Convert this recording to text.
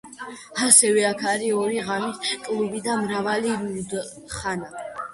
ასევე, აქ არის ორი ღამის კლუბი და მრავალი ლუდხანა.